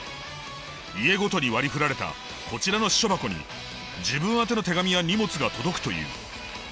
家ごとに割りふられたこちらの私書箱に自分宛ての手紙や荷物が届くという。